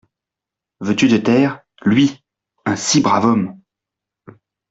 Veux-tu te taire ! lui ! un si brave homme !